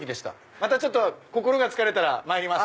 また心が疲れたらまいります。